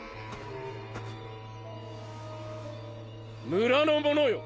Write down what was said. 村の者よ。